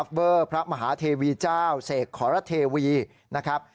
เวอร์พระมหาเทวีเจ้าเสกขอระเทวีนะครับ